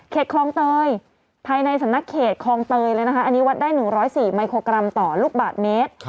คลองเตยภายในสำนักเขตคลองเตยเลยนะคะอันนี้วัดได้๑๐๔มิโครกรัมต่อลูกบาทเมตร